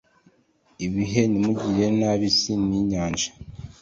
ibh ntimugirire nabi isi n inyanja